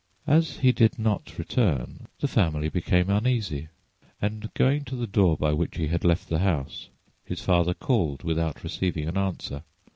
As he did not return, the family became uneasy, and going to the door by which he had left the house, his father called without receiving an answer.